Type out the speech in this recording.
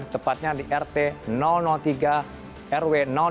tepatnya di rt tiga rw dua